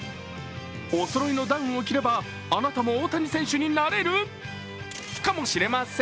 おそろいのダウンを着ればあなたも大谷選手になれるかもしれません。